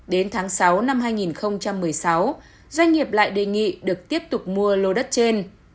đến tháng sáu năm hai nghìn một mươi sáu doanh nghiệp lại đề nghị được tiếp tục mua lô đất trên